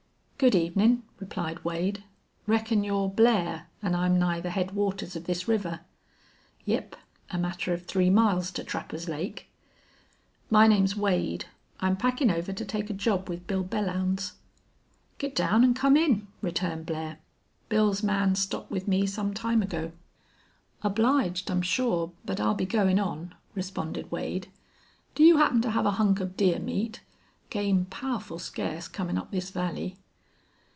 "Good evenin'," replied Wade. "Reckon you're Blair an' I'm nigh the headwaters of this river?" "Yep, a matter of three miles to Trapper's Lake." "My name's Wade. I'm packin' over to take a job with Bill Belllounds." "Git down an' come in," returned Blair. "Bill's man stopped with me some time ago." "Obliged, I'm sure, but I'll be goin' on," responded Wade. "Do you happen to have a hunk of deer meat? Game powerful scarce comin' up this valley."